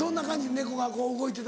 猫が動いてたら。